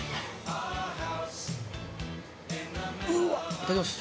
いただきます。